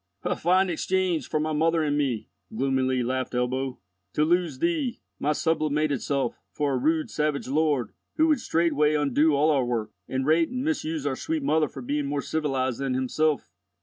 "A fine exchange for my mother and me," gloomily laughed Ebbo, "to lose thee, my sublimated self, for a rude, savage lord, who would straightway undo all our work, and rate and misuse our sweet mother for being more civilized than himself."